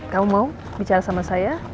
kamu mau bicara sama saya